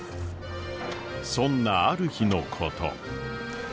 そんなある日のこと。